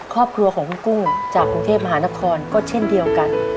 ครอบครัวของคุณกุ้งจากกรุงเทพมหานครก็เช่นเดียวกัน